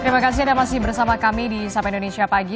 terima kasih anda masih bersama kami di sapa indonesia pagi